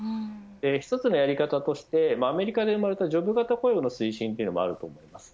一つのやり方としてアメリカで生まれたジョブ型雇用の推進もあると思います。